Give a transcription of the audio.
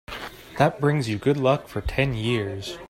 That brings you good luck for ten years.